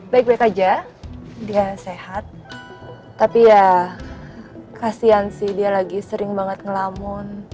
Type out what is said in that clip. baik baik aja dia sehat tapi ya kasian sih dia lagi sering banget ngelamun